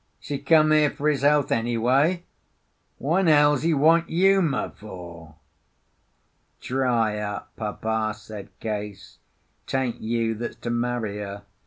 's he come here for his health, anyway? Wha' 'n hell's he want Uma for?" "Dry up, Papa," said Case. "'Tain't you that's to marry her.